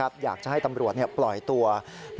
อยากให้ตำรวจเนี่ยยียปล่อยตัวเดี๋ยวฉันก็จะเอาแล้วไปดูแลที่บ้านเอง